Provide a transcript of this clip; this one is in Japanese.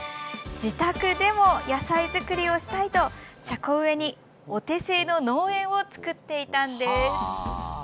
自宅でも野菜作りをしたいと車庫上にお手製の農園を作っていたのです。